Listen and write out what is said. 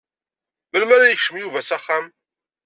Melmi ara yekcem Yuba s axxam?